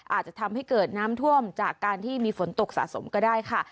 อาจจะทำให้เกิดน้ำท่วมจากการที่มีฝนตกสะสมก็ได้ค่ะ